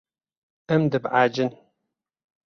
Em dibehecin.